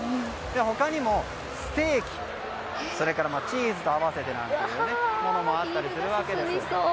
他にも、ステーキにチーズと合わせてなんてものもあったりするわけです。